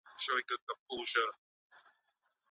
بري ته د رسېدو لاره یوازي په استعداد نه لنډېږي.